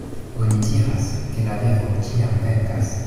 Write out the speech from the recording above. Oni diras, ke la vero ĉiam venkas.